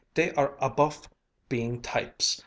"Dey are abofe being types.